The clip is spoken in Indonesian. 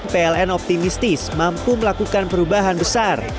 pln optimistis mampu melakukan perubahan besar